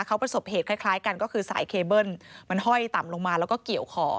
เขาประสบเหตุคล้ายกันก็คือสายเคเบิ้ลมันห้อยต่ำลงมาแล้วก็เกี่ยวคอ